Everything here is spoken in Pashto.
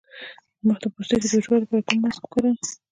د مخ د پوستکي د وچوالي لپاره کوم ماسک وکاروم؟